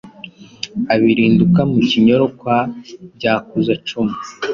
abirinduka mu Kinyoro kwa Byakuzacumu.